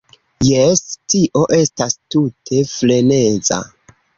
Jes, tio estas tute freneza.